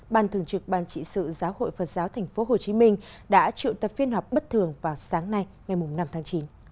ban thường trực ban chỉ sự giáo hội phật giáo tp hcm đã trự tập phiên học bất thường vào sáng nay ngày năm tháng chín